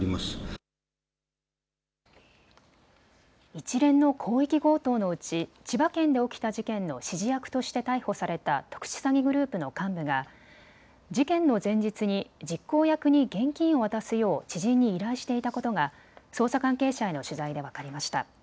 一連の広域強盗のうち千葉県で起きた事件の指示役として逮捕された特殊詐欺グループの幹部が事件の前日に実行役に現金を渡すよう知人に依頼していたことが捜査関係者への取材で分かりました。